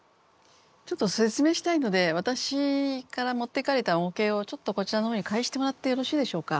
ちょっと説明したいので私から持っていかれた模型をちょっとこちらの方に返してもらってよろしいでしょうか？